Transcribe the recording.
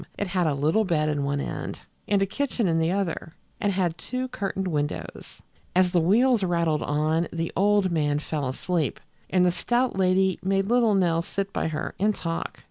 It had a little bed in one end, and a kitchen in the other, and had two curtained windows. As the wheels rattled on the old man fell asleep, and the stout lady made little Nell sit by her and talk.